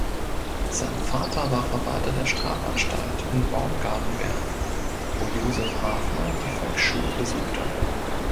Sein Vater war Verwalter der Strafanstalt in Baumgartenberg, wo Josef Hafner die Volksschule besuchte.